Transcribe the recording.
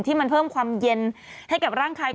ที่มันเพิ่มความเย็นให้กับร่างกาย